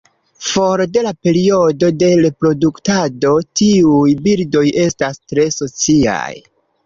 For de la periodo de reproduktado, tiuj birdoj estas tre sociaj.